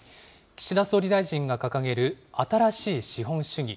岸田総理大臣が掲げる新しい資本主義。